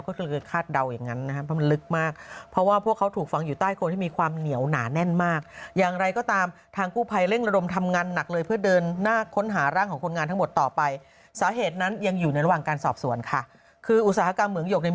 ก็เลยคาดเดาอย่างนั้นนะครับเพราะมันลึกมาก